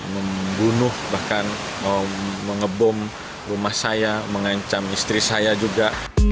membunuh bahkan mengebom rumah saya mengancam istri saya juga